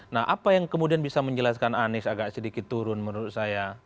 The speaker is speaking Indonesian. nah apa yang kemudian bisa menjelaskan anies agak sedikit turun menurut saya